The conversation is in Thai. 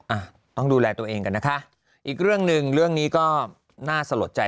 อ่ะต้องดูแลตัวเองกันนะคะอีกเรื่องหนึ่งเรื่องนี้ก็น่าสลดใจ